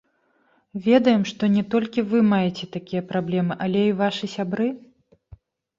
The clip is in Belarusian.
Ведаем, што не толькі вы маеце такія праблемы, але і вашы сябры?